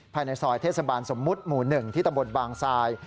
ภายในซอยเทศบาลสมมุติหมู่๑ที่ตำบลบางทราย